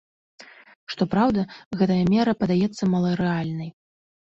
Што праўда, гэтая мера падаецца маларэальнай.